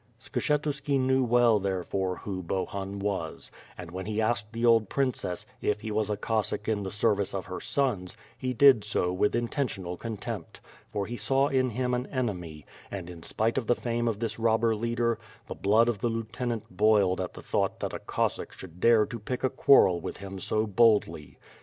Skshetuski knew well therefore, who Bohun was, and when he asked the old princess, if he was a Cossack in the service of her sons, he did so with intentional contempt, for he saw in him an enemy, and in spite of the fame of this robber leader, the blood of the lieutenant boiled at the thought that a Cossack should dare to pick a quarrel with him so boldly.